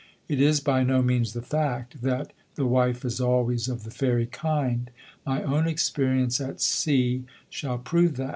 It is by no means the fact that the wife is always of the fairy kind. My own experience at C shall prove that.